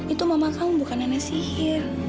itu mama kamu bukan nenek sihir